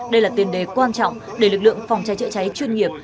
đây là tiền đề quan trọng để lực lượng phòng cháy chữa cháy chuyên nghiệp